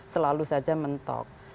selalu saja mentok